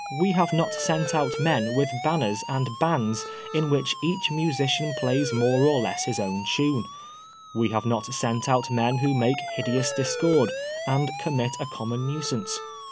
We have not sent out men with banners and bands in which eacft musician plays more or less his own tune. We have not sent out men who make hideous discord, and commit a common nuisance.